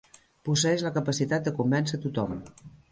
Posseeix la capacitat de convèncer tothom.